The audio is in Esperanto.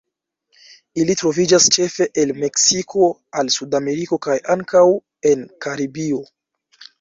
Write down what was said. Ili troviĝas ĉefe el Meksiko al Sudameriko kaj ankaŭ en Karibio.